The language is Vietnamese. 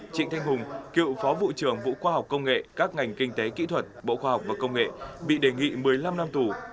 trịnh thanh hùng cựu phó vụ trưởng vũ khoa học công nghệ các ngành kinh tế kỹ thuật bộ khoa học và công nghệ bị đề nghị một mươi năm năm tù